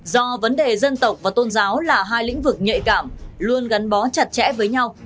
do vấn đề dân tộc và tôn giáo là hai lĩnh vực nhạy cảm luôn gắn bó chặt chẽ với nhau